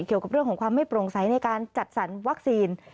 เกี่ยวกับเรื่องของความไม่โปร่งใสในการจัดสรรวัคซีน